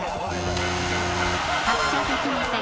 発車できません。